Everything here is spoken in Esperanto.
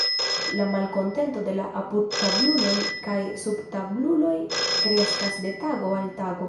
La malkontento de la apudtabluloj kaj subtabluloj kreskas de tago al tago.